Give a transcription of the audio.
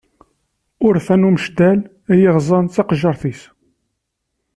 Urfan umceddal, i yeɣeẓẓen taqejjiṛt-is.